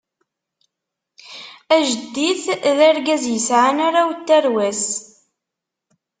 Ajeddit d argaz yesɛan arraw n tarwa-s.